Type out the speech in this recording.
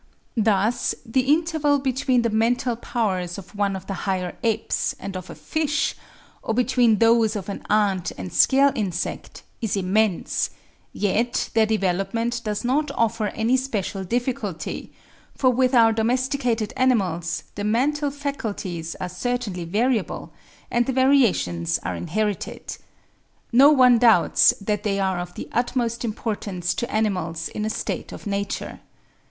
Thus the interval between the mental powers of one of the higher apes and of a fish, or between those of an ant and scale insect, is immense; yet their development does not offer any special difficulty; for with our domesticated animals, the mental faculties are certainly variable, and the variations are inherited. No one doubts that they are of the utmost importance to animals in a state of nature.